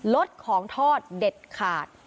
ลดของทอดเด็ดขาด